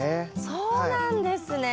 そうなんですね。